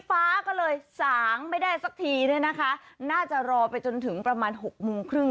ฟ้าก็เลยสางไม่ได้สักทีเนี่ยนะคะน่าจะรอไปจนถึงประมาณหกโมงครึ่ง